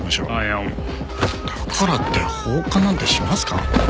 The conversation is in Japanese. だからって放火なんてしますか？